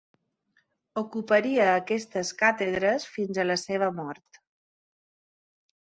Ocuparia aquestes càtedres fins a la seva mort.